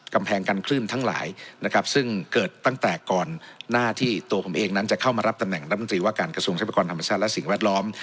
กำแพงกันคลื่นทั้งหลายนะครับซึ่งเกิดตั้งแต่ก่อนหน้าที่ตัวผมเองนั้นจะเข้ามารับตำแหน่งรัฐมนตรีว่าการกระทรวงทรัพยากรธรรมชาติและสิ่งแวดล้อม